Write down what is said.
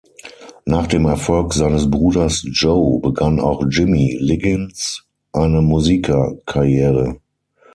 Nach dem Erfolg seines Bruders Joe begann auch Jimmy Liggins eine Musikerkarriere.